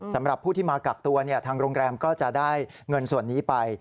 สำหรับผู้ที่มากักตัวทางโรงแรมก็จะได้เงินส่วนนี้ไป